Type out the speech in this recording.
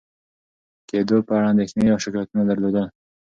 کېدو په اړه اندېښنې یا شکایتونه درلودل،